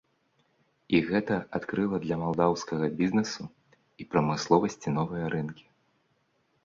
І гэта адкрыла для малдаўскага бізнэсу і прамысловасці новыя рынкі.